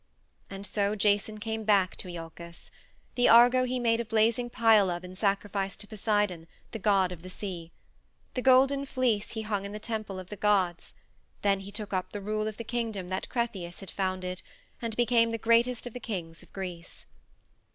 And so Jason came back to Iolcus. The Argo he made a blazing pile of in sacrifice to Poseidon, the god of the sea. The Golden Fleece he hung in the temple of the gods. Then he took up the rule of the kingdom that Cretheus had founded, and he became the greatest of the kings of Greece.